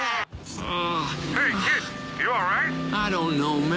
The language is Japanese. ああ。